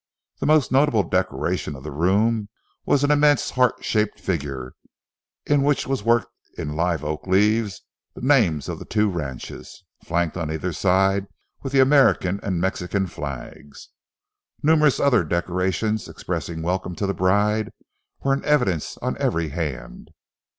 The most notable decoration of the room was an immense heart shaped figure, in which was worked in live oak leaves the names of the two ranches, flanked on either side with the American and Mexican flags. Numerous other decorations, expressing welcome to the bride, were in evidence on every hand.